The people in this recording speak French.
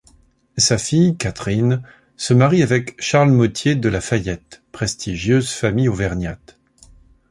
Sa fille, Catherine, se marie avec Charles Motier de La Fayette, prestigieuse famille auvergnate.